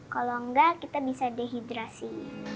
kalau enggak kita bisa dehidrasi